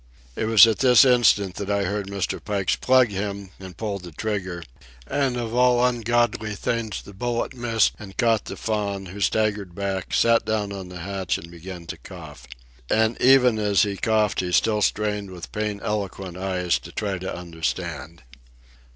It was at this instant that I heard Mr. Pike's "Plug him!" and pulled the trigger; and of all ungodly things the bullet missed and caught the Faun, who staggered back, sat down on the hatch, and began to cough. And even as he coughed he still strained with pain eloquent eyes to try to understand.